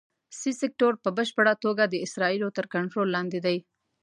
سي سیکټور په بشپړه توګه د اسرائیلو تر کنټرول لاندې دی.